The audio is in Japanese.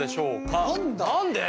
何で？